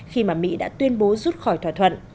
khi mà mỹ đã tuyên bố rút khỏi thỏa thuận